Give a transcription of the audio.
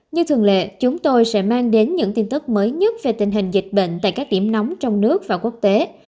như thường lệ chúng tôi sẽ mang đến những tin tức mới nhất về tình hình dịch bệnh tại các điểm nóng trong nước và quốc tế